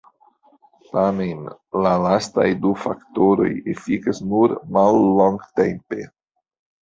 Tamen la lastaj du faktoroj efikas nur mallongtempe.